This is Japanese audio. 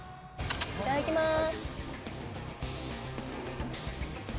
いただきます。